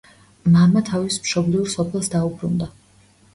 მამა თავის მშობლიურ სოფელს დაუბრუნდა.